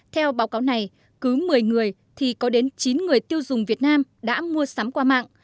theo báo cáo này cứ một mươi người thì có đến chín người tiêu dùng việt nam đã mua sắm qua mạng